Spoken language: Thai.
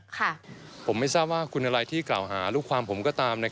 ผมไม่ทราบว่าคุณอะไรที่กล่าวหาลูกความผมก็ตาม